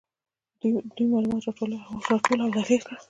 دوی معلومات راټول او تحلیل کړل.